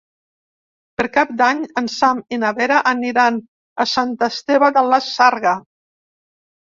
Per Cap d'Any en Sam i na Vera aniran a Sant Esteve de la Sarga.